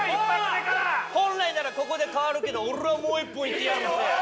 本来ならここで変わるけど俺はもう１本いってやるぜ。